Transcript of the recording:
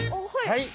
はい！